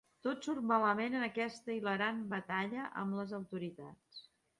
Tot surt malament en aquesta hilarant batalla amb les autoritats!